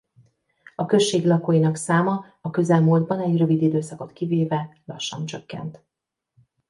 A község lakóinak száma a közelmúltban egy rövid időszakot kivéve lassan csökkent.